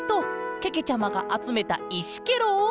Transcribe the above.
けけちゃまがあつめたいしケロ。